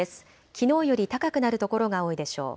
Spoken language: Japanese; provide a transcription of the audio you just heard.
きのうより高くなる所が多いでしょう。